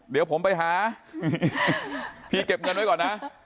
เดี๋ยวผมไปหาพี่เก็บเงินไว้ก่อนนะ